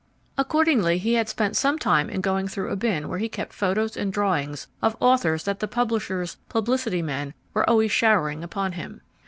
Accordingly he had spent some time in going through a bin where he kept photos and drawings of authors that the publishers' "publicity men" were always showering upon him.